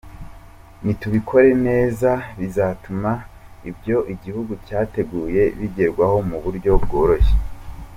Nitubikora neza, bizatuma ibyo igihugu cyateguye bigerwaho mu buryo bworoshye.